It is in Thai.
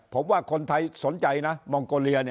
ผมว่าคนไทยสนใจนะมองโกเลีย